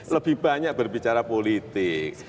lebih banyak berbicara politik